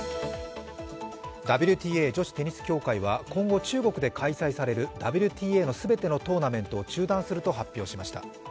ＷＴＡ＝女子テニス協会は今後中国で行われるＷＴＡのすべてのトーナメントを中止すると発表しました。